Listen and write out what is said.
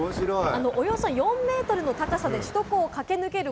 およそ４メートルの高さで首都高を駆け抜ける